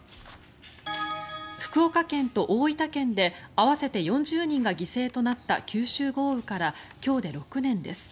福岡県と大分県で合わせて４０人が犠牲となった九州豪雨から今日で６年です。